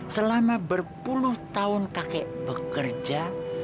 selama berpuluh tahun kakek bekerja